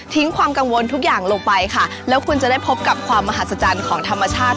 ความกังวลทุกอย่างลงไปค่ะแล้วคุณจะได้พบกับความมหัศจรรย์ของธรรมชาติ